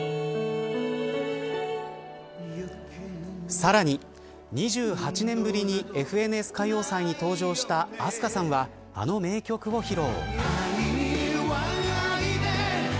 さらに２８年ぶりにＦＮＳ歌謡祭に登場したＡＳＫＡさんはあの名曲を披露。